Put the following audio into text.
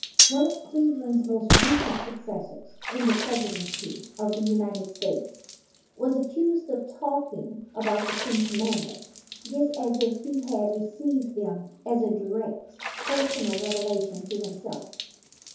One of Cleveland's more recent successors in the presidency of the United States was ac cused of talking about the Ten Commandments just as if he had received them as a direct per 119 A PLEA FOR THE PLATITUDE sonal revelation to himself.